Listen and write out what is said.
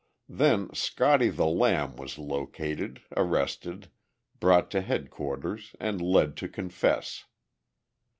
Then "Scotty the Lamb" was located, arrested, brought to headquarters and led to confess.